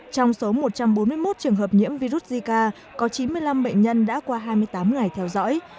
trong số một trăm bốn mươi một trường hợp nhiễm virus zika có chín mươi năm bệnh nhân đã qua hai mươi tám ngày theo dõi